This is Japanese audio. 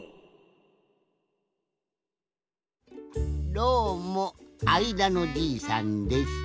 どうもあいだのじいさんです。